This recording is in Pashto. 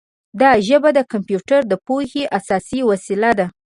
دا ژبه د کمپیوټر د پوهې اساسي وسیله ده.